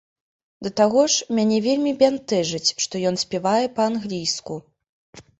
Да таго ж, мяне вельмі бянтэжыць, што ён спявае па-англійску.